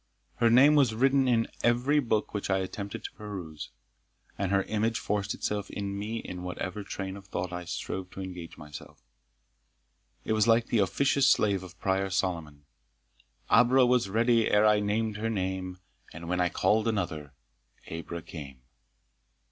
Her name was written in every book which I attempted to peruse; and her image forced itself on me in whatever train of thought I strove to engage myself. It was like the officious slave of Prior's Solomon, Abra was ready ere I named her name, And when I called another, Abra came.